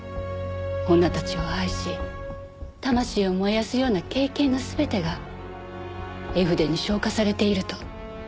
「女たちを愛し魂を燃やすような経験の全てが絵筆に昇華されている」と。